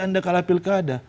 anda kalah pilkada